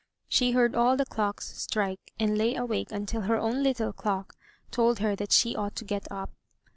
She heard all the clocks strike, and lay awake until her own little clock told her that she ought to get up.